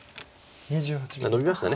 ノビました